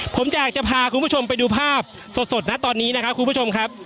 ผมอยากจะพาคุณผู้ชมไปดูภาพสดนะตอนนี้นะครับคุณผู้ชมครับ